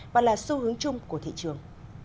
và là xu hướng chung của thị trường